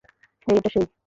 হেই, এটা সেই।